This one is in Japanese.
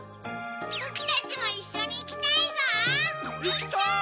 ボクたちもいっしょにいきたいゾウ！いきたい！